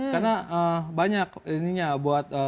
karena banyak ininya buat